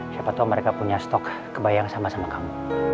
siapa tau mereka punya stok kebayang sama sama kamu